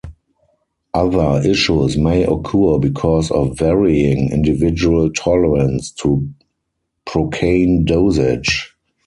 Other issues may occur because of varying individual tolerance to procaine dosage.